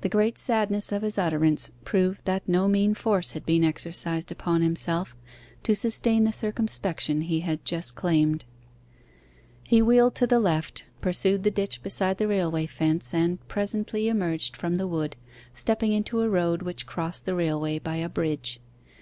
The great sadness of his utterance proved that no mean force had been exercised upon himself to sustain the circumspection he had just claimed. He wheeled to the left, pursued the ditch beside the railway fence, and presently emerged from the wood, stepping into a road which crossed the railway by a bridge.